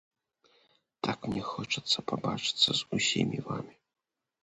Так мне хочацца пабачыцца з усімі вамі.